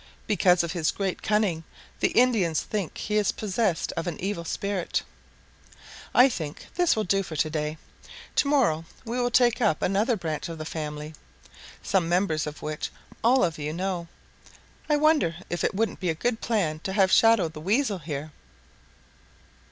Because of his great cunning, the Indians think he is possessed of an evil spirit. "I think this will do for to day. To morrow we will take up another branch of the family, some members of which all of you know. I wonder if it wouldn't be a good plan to have Shadow the Weasel here."